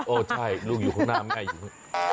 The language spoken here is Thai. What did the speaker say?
โอ้ใช่ลูกอยู่หุ้นหน้าไม่ได้อยู่